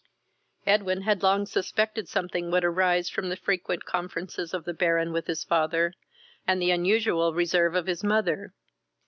Edwin had long suspected something would arise from the frequent conferences of the Baron and his father, and the unusual reserve of his mother.